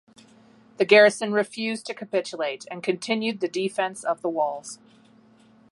The garrison refused to capitulate, and continued the defense of the walls.